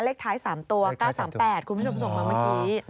เลขท้าย๓ตัว๙๓๘คุณผู้ชมส่งมาเมื่อกี้